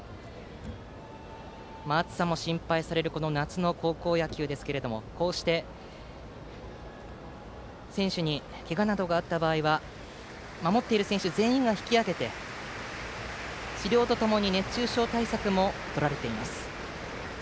暑さも心配される夏の高校野球ですけれどもこうして選手にけがなどがあった場合は守っている選手全員が引き揚げて治療とともに熱中症対策もとられています。